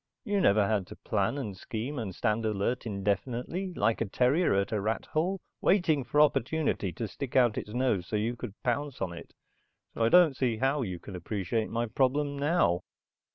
You never had to plan, and scheme, and stand alert indefinitely like a terrier at a rat hole waiting for opportunity to stick out its nose so you could pounce on it. So I don't see how you can appreciate my problem now."